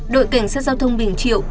đội cảnh sát giao thông bình triệu